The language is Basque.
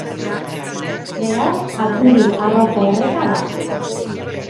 Beraz Aturri arroko erreka da.